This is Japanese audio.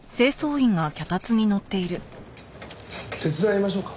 手伝いましょうか？